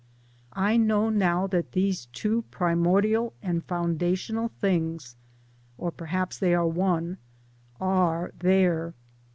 I know now that these two primordial and founda tional things (or perhaps they are one) are there.